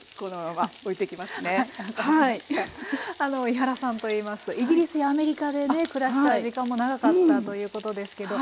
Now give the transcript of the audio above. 井原さんといいますとイギリスやアメリカでね暮らした時間も長かったということですけど。